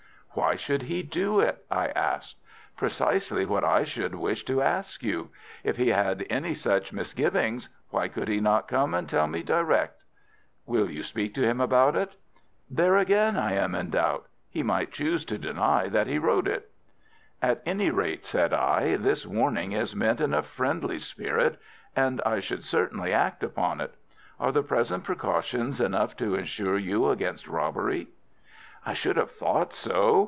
"Why should he do it?" I asked. "Precisely what I should wish to ask you. If he had any such misgivings, why could he not come and tell me direct?" "Will you speak to him about it?" "There again I am in doubt. He might choose to deny that he wrote it." "At any rate," said I, "this warning is meant in a friendly spirit, and I should certainly act upon it. Are the present precautions enough to insure you against robbery?" "I should have thought so.